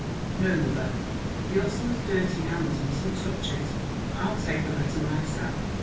"No, mother. The ostler's dirty hands mustn't touch it I'll take the letter myself.